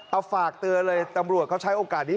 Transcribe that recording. เอาฝากเตือนเลยตำรวจเขาใช้โอกาสนี้